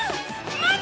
待て！